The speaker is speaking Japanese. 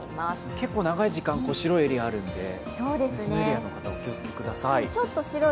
結構長い時間白いエリアがあるので、そのエリアの方、お気をつけください。